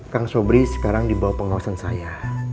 kang sobri sekarang dibawa pengawasan saya